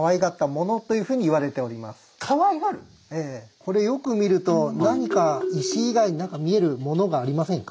これよく見ると何か石以外に見えるものがありませんか？